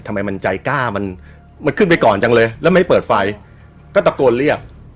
ทำไมมันใจกล้ามันมันขึ้นไปก่อนจังเลยแล้วไม่เปิดไฟก็ตะโกนเรียก